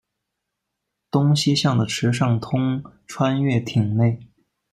东西向的池上通穿越町内。